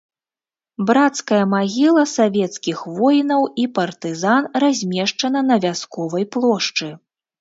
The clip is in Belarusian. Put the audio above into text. Брацкая магіла савецкіх воінаў і партызан размешчана на вясковай плошчы.